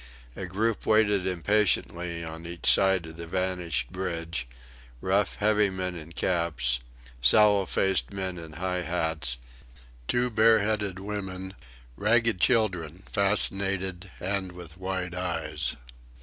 A group waited impatiently on each side of the vanished bridge: rough heavy men in caps; sallow faced men in high hats; two bareheaded women; ragged children, fascinated, and with wide eyes.